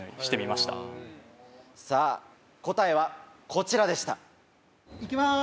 さぁ答えはこちらでした。